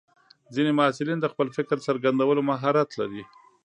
ځینې محصلین د خپل فکر څرګندولو مهارت لري.